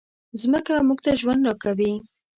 مځکه موږ ته ژوند راکوي.